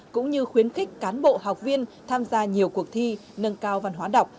cũng như khuyến khích cán bộ học viên tham gia nhiều cuộc thi nâng cao văn hóa đọc